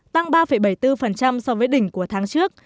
tăng ba bảy mươi bốn so với đỉnh của tháng trước